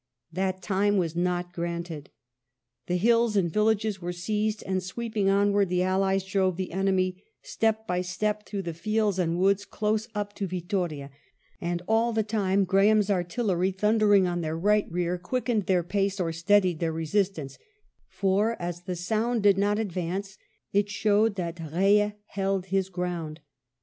That time was not granted. The hills and the villages were seized, and sweeping onward the Allies drove the enemy step by step through the fields and woods close up to Vittoria, and all the time Graham's artillery thundering on their right rear quickened their pace or steadied their resistance, for as the sound did not advance it showed that Eeille held his ground.